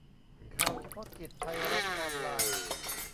ข่าวเฉพาะกิจ ไทยรัฐออนไลน์